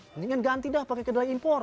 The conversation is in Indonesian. mendingan ganti dah pakai kedelai impor